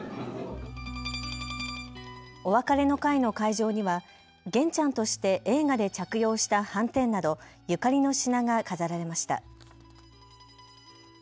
お別れの会の会場には源ちゃんとして映画で着用したはんてんなどゆかりの品が飾られました。